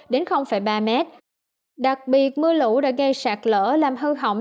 đặc biệt mưa lũ đã gây sạt lỡ làm hư hỏng